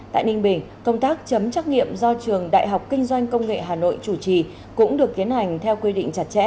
tại ninh bình công tác chấm chắc nghiệm do trường đại học kinh doanh công nghệ hà nội chủ trì